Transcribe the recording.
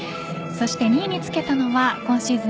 ２位につけたのは、今シーズン